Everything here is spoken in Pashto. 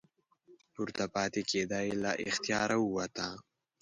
پورته پاتې کیدا یې له اختیاره ووته.